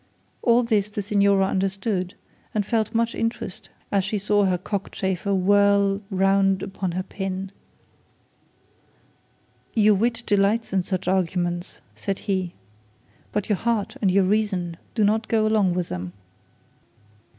All this the signora understood, and felt much interest as she saw her cockchafer whirl round upon her pin. 'Your wit delights in such arguments,' said he, 'but your heart and your reason do not quite go along with them.'